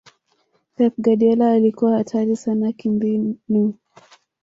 pep guardiola alikuwa hatari sana kimbinu